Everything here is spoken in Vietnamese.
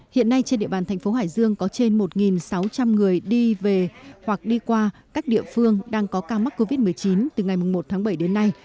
hiện nay trên địa bàn thành phố hải dương có trên một sáu trăm linh người đi về hoặc đi qua các địa phương đang có ca mắc covid một mươi chín từ ngày một tháng bảy đến nay